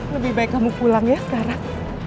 lebih baik kamu pulang ya sekarang